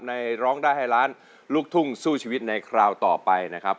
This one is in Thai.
ร้องได้ให้ล้านลูกทุ่งสู้ชีวิตในคราวต่อไปนะครับ